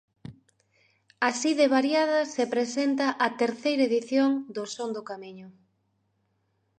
Así de variada se presenta a terceira edición do Son do Camiño.